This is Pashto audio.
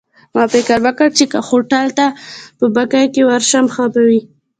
ما فکر وکړ، چي که هوټل ته په بګۍ کي ورشم ښه به وي.